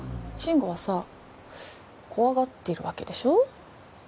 慎吾はさ怖がってるわけでしょ？